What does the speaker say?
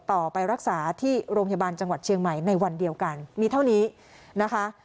ต่อไปรักษาที่โรงพยาบาลจังหวัดเชียงใหม่ในวันเดียวกันมีเท่านี้นะคะ